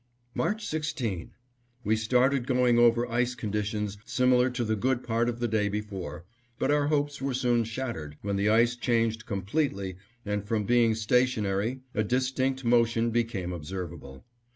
March 16: We started going over ice conditions similar to the good part of the day before, but our hopes were soon shattered when the ice changed completely and, from being stationary, a distinct motion become observable.